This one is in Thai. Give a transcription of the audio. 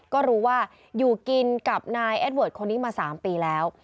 ก็รู้ว่าอยู่กินกับนายแอดเวิร์ดคนนี้มา๓ปีแล้ว